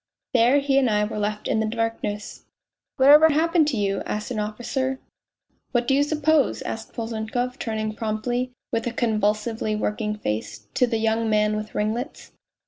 There he and I were left in the darkness. ..."" Whatever happened to you 1 " asked an officer. " What do you suppose ?" asked Polzunkov, turning promptly, with a convulsively working face, to the young man with ringlets.